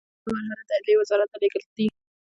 دوهمه مرحله د عدلیې وزارت ته لیږل دي.